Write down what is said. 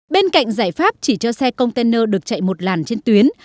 bên cạnh giải pháp chỉ cho xe container được chạy một làn trên tuyến